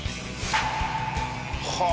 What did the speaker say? はあ！